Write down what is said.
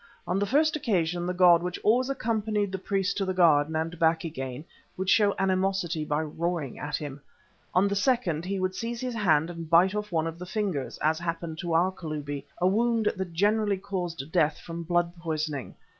On the first occasion the god which always accompanied the priest to the garden and back again, would show animosity by roaring at him. On the second he would seize his hand and bite off one of the fingers, as happened to our Kalubi, a wound that generally caused death from blood poisoning.